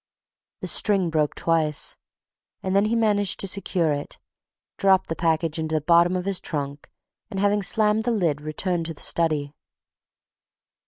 The string broke twice, and then he managed to secure it, dropped the package into the bottom of his trunk, and having slammed the lid returned to the study.